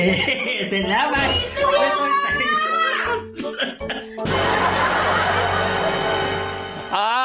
นี่สุดยอดแล้วนะ